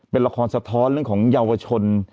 เป็นละครสะท้อนเรื่องของเยาวชน